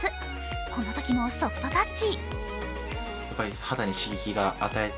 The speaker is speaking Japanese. このときも、ソフトタッチ。